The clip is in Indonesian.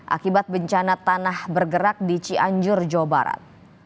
akibat bencana tanah bergerak di cianjur jawa barat